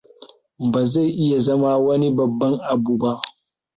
Ba zai iya zama wani babban abu ba.